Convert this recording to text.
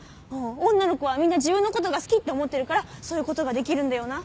女の子はみんな自分のことが好きって思ってるからそういうことができるんだよな。